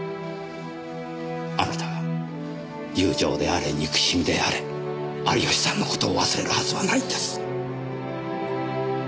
あなたが友情であれ憎しみであれ有吉さんのことを忘れるはずはないんです！